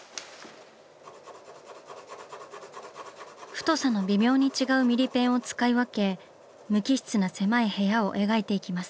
太さの微妙に違うミリペンを使い分け無機質な狭い部屋を描いていきます。